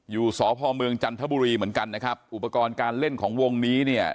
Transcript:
สพเมืองจันทบุรีเหมือนกันนะครับอุปกรณ์การเล่นของวงนี้เนี่ย